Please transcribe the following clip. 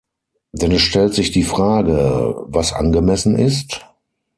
Denn es stellt sich die Frage, was angemessen ist?